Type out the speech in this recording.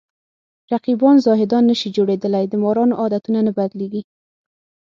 رقیبان زاهدان نشي جوړېدلی د مارانو عادتونه نه بدلېږي